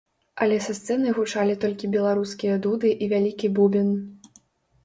Але са сцэны гучалі толькі беларускія дуды і вялікі бубен!